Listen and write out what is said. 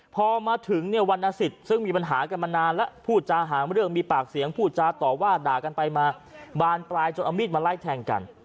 พอมาถึงเนี่ยวันนสิทธิ์ซึ่งมีปัญหากันมานานแล้วพูดจาหาเรื่องมีปากเสียงพูดจาต่อว่าด่ากันไปมาบานปลายจนเอามีดมาไล่แทงกัน